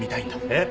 えっ！？